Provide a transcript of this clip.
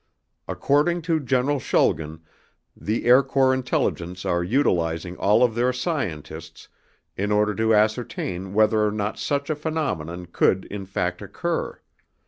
According to General Schulgen, the Air Corps Intelligence are utilizing all of their scientists in order to ascertain whether or not such a phenomenon could in fact occur.